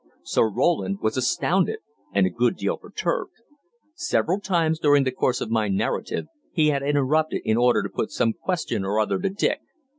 Sir Roland was astounded, and a good deal perturbed. Several times during the course of my narrative he had interrupted in order to put some question or other to Dick.